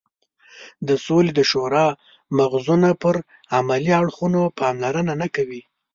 د سولې د شورا مغزونه پر عملي اړخونو پاملرنه نه کوي.